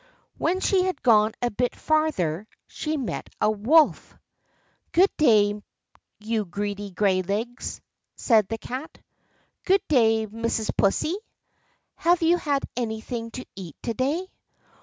When she had gone a bit farther she met a wolf. "Good day, you Greedy Graylegs," said the Cat. "Good day, Mrs. Pussy; have you had anything to eat to day?"